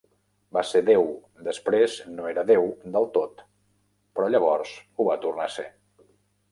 Va ser Déu, després no era Déu del tot però llavors ho va tornar a ser.